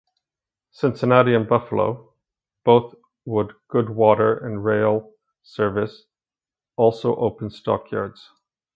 Cincinnati and Buffalo, both would good water and rail service, also open stockyards.